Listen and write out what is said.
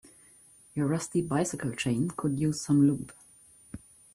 Your rusty bicycle chain could use some lube.